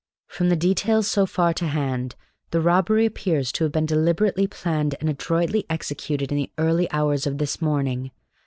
From the details so far to hand, the robbery appears to have been deliberately planned and adroitly executed in the early hours of this morning.